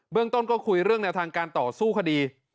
เรื่องต้นก็คุยเรื่องแนวทางการต่อสู้คดี